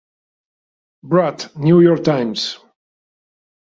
Broad, "New York Times".